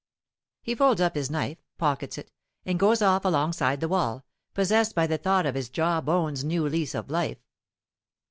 He folds up his knife, pockets it, and goes off alongside the wall, possessed by the thought of his jaw bones' new lease of life.